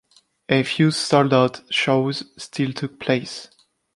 A few sold-out shows still took place.